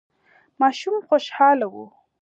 ماشوم خوشاله و.